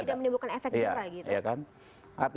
maka tidak menimbulkan efek cerah gitu